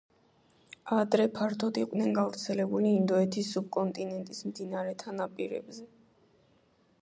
ადრე ფართოდ იყვნენ გავრცელებული ინდოეთის სუბკონტინენტის მდინარეთა ნაპირებზე.